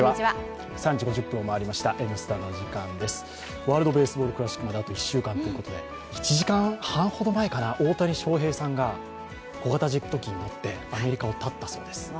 ワールドベースボールクラシックまで、あと１週間ということで１時間半ほど前かな大谷翔平さんがジェット機に乗ってアメリカをたったそうです。